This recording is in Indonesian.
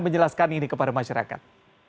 menjelaskan ini kepada masyarakat